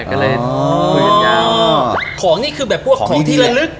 ของนี่คือแบบพวกของที่ละลึก